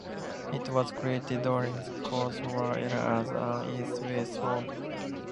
It was created during the Cold War era as an East–West forum.